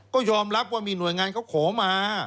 ก็ยอมรับว่ามีหน่วยงานเขาขอมา